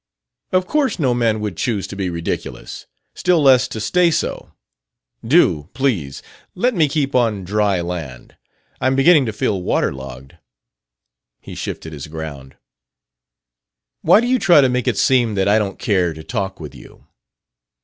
"Of course no man would choose to be ridiculous still less to stay so. Do, please, let me keep on dry land; I'm beginning to feel water logged." He shifted his ground. "Why do you try to make it seem that I don't care to talk with you?"